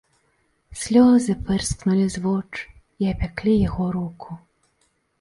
Слёзы пырскнулі з воч і абпяклі яго руку.